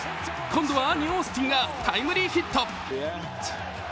今度は兄・オースティンがタイムリーヒット。